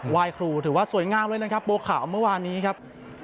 ครูถือว่าสวยงามเลยนะครับบัวขาวเมื่อวานนี้ครับ